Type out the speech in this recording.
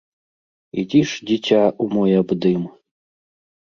Ідзі ж, дзіця, у мой абдым!